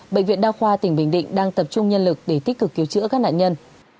bệnh viện đa khoa tỉnh bình định đang tập trung nhân lực để tích cực cứu chữa các nạn nhân